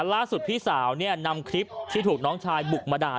ล่าสุดพี่สาวนำคลิปที่ถูกน้องชายบุกมาด่าท์